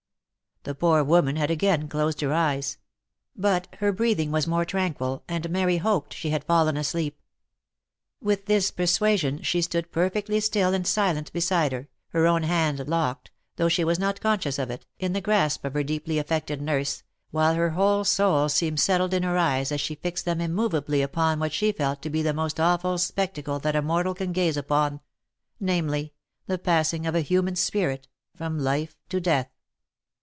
The poor woman had again closed her eyes ; but her breathing was OF MICHAEL ARMSTRONG. 133 more tranquil, and Mary hoped she had fallen asleep. With this persuasion she stood perfectly still and silent beside her, her own hand locked, though she was not conscious of it, in the grasp of her deeply affected nurse, while her whole soul seemed settled in her eyes as she fixed them immovably upon what she felt to be the most awful spec tacle that a mortal can gaze upon, namely, the passing of a human * spirit from life to death.